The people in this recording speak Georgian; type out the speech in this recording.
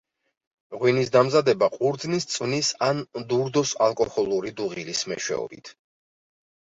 ღვინის დამზადება ყურძნის წვნის ან დურდოს ალკოჰოლური დუღილის მეშვეობით.